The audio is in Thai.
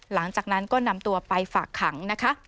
หลังจากนั้นก็นำตัวไปฝากขังนะคะ